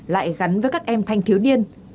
lại gắn với các em thanh thiếu niên